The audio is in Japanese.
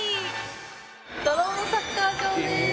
ドローンサッカー場です。